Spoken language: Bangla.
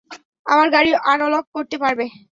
আমরা গাড়ি আনলক করতে পারব।